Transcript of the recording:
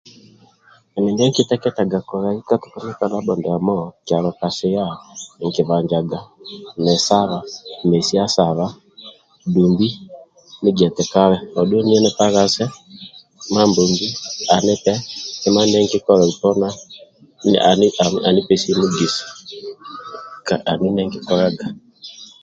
Ndi kiteketaga kolai ka ndabho ndiamo kyalo kasia nkibanjaga nisaba mesia saba dumbi ni gia eti kale odhuwe niye nipahgase Mabombi anipe kima kima ndie kikola uponi anipesie mugisa andulu ndie nkikolaga